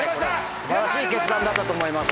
素晴らしい決断だったと思います。